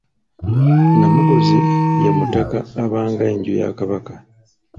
Namuguzi ye mutaka abanga enju ya Kabaka.